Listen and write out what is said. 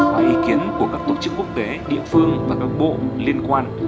có ý kiến của các tổ chức quốc tế địa phương và các bộ liên quan